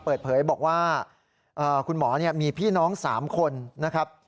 เปิดเผยบอกว่าคุณหมอมีพี่น้อง๓คนนะครับ